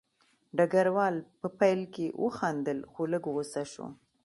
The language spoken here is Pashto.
ډګروال په پیل کې وخندل خو لږ غوسه شو